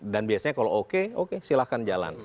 biasanya kalau oke oke silahkan jalan